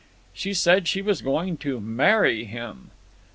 "She said she was going to marry him!"